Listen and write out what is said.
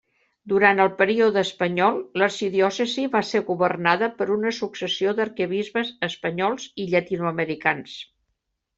Durant el període espanyol, l'arxidiòcesi va ser governada per una successió d'arquebisbes espanyols i llatinoamericans.